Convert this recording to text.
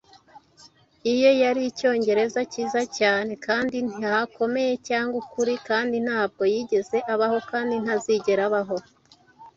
Iye yari icyongereza cyiza cyane, kandi ntihakomeye cyangwa ukuri, kandi ntabwo yigeze abaho, kandi ntazigera abaho;